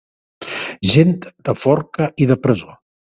Gent de forca i presó.